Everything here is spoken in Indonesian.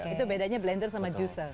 itu bedanya blender sama user